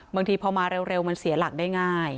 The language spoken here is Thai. บางทีพอมาเร็วมันเสียหลักได้ง่าย